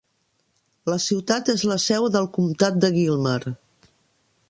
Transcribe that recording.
La ciutat és la seu del comtat de Gilmer.